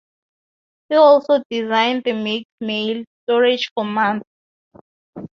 He also designed the mix mail storage format.